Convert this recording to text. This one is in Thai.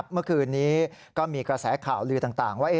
เมื่อคืนนี้ก็มีกระแสข่าวลือต่างว่า